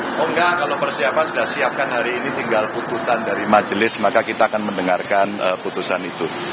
oh enggak kalau persiapan sudah siapkan hari ini tinggal putusan dari majelis maka kita akan mendengarkan putusan itu